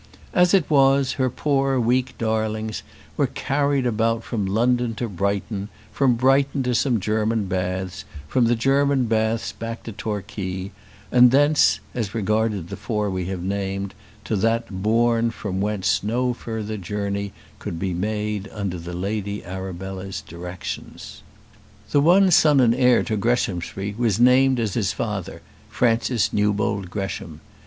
As it was, her poor weak darlings were carried about from London to Brighton, from Brighton to some German baths, from the German baths back to Torquay, and thence as regarded the four we have named to that bourne from whence no further journey could be made under the Lady Arabella's directions. The one son and heir to Greshamsbury was named as his father, Francis Newbold Gresham.